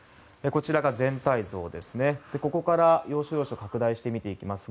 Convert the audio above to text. こちらが全体像ですがここから要所要所拡大して見ていきます。